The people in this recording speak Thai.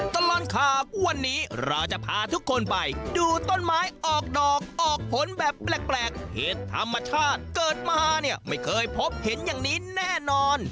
ตลอดข่าววันนี้เราจะพาทุกคนไปดูต้นไม้ออกดอกออกผลแบบแปลกเหตุธรรมชาติเกิดมาเนี่ยไม่เคยพบเห็นอย่างนี้แน่นอน